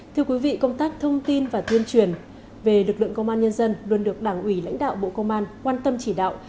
thưa quý vị công tác thông tin và tuyên truyền về lực lượng công an nhân dân luôn được đảng ủy lãnh đạo bộ công an quan tâm chỉ đạo